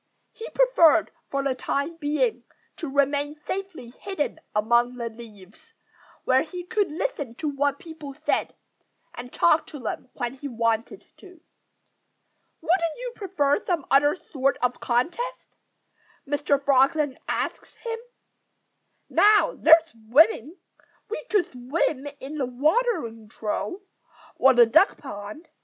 He preferred, for the time being, to remain safely hidden among the leaves, where he could listen to what people said and talk to them when he wanted to. "Wouldn't you prefer some other sort of contest?" Mr. Frog then asked him. "Now, there's swimming! We could swim in the watering trough, or the duck pond.